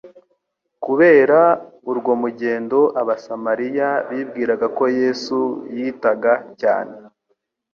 Kubera urwo mgendo, abasamaliya bibwiraga ko Yesu yitaga cyane